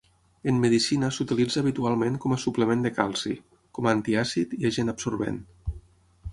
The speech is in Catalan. En medicina s'utilitza habitualment com a suplement de calci, com a antiàcid i agent absorbent.